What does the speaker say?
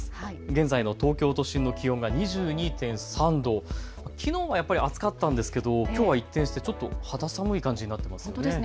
現在の東京都心の気温が２２．３度、きのうはやっぱり暑かったんですけどきょうは一転してちょっと肌寒い感じとなっています。